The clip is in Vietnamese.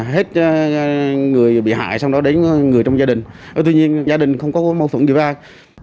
hết người bị hại xong đó đến người trong gia đình tuy nhiên gia đình không có mâu thuẫn gì với ai